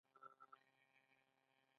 آزاد تجارت مهم دی ځکه چې د کاربن کموي.